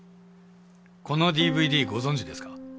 このＤＶＤご存じですか？